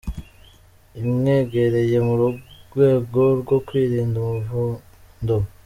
imwegereye mu rwego rwo kwirinda umuvundo.